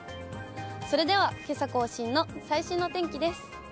それでは、けさ更新の最新のお天気です。